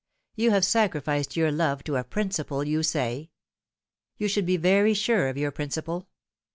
You have sacrificed your love to a principle, you say. You should be very sure of your principle.